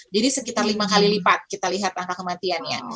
jadi sekitar lima kali lipat kita lihat angka kematiannya